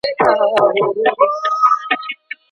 دا کار دوی ته ډيره ښه انګيزه ورکوي.